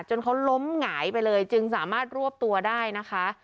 จนเขาล้มหงายไปเลยจึงสามารถรวบตัวได้นะคะ